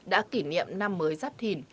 đã kỷ niệm năm mới giáp thìn